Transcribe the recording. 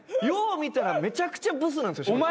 よう見たらめちゃくちゃブスなんすよ。